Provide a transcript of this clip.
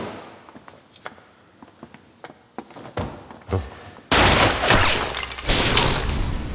どうぞ。